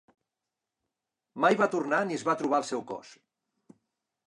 Mai va tornar ni es va trobar el seu cos.